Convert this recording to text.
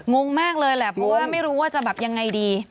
งงมากเลยแหละเพราะว่าไม่รู้ว่าจะแบบยังไงดี